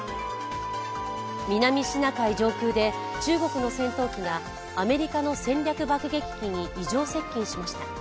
南シナ海上空で中国の戦闘機がアメリカの戦略爆撃機に異常接近しました。